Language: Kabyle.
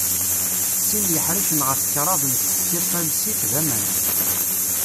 Sin yiḥricen ɣef kraḍ n tfekka talsit d aman.